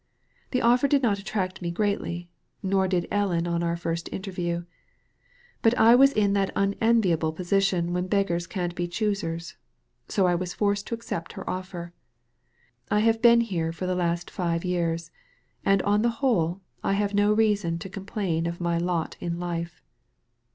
The offer did not attract me greatly, nor did Ellen on our first inter view ; but I was in that unenviable position when beggars can't be choosers, so Lwas forced to accept her offer. I have been here for the last five years, and on the whole I have no reason to complain of my lot in life."